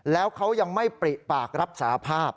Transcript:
แล้วเขายังไม่ปริปากรับสาภาพ